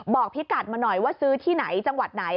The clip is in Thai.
พี่กัดมาหน่อยว่าซื้อที่ไหนจังหวัดไหน